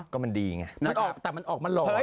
ก็มันดีไงมันออกแต่มันออกมาหลอน